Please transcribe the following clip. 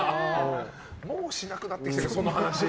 もうしなくなってきてるその話。